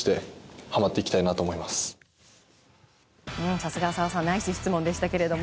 さすが浅尾さんナイス質問でしたけど。